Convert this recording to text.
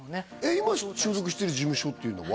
今所属してる事務所というのは？